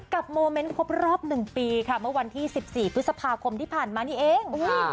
โมเมนต์ครบรอบ๑ปีค่ะเมื่อวันที่๑๔พฤษภาคมที่ผ่านมานี่เอง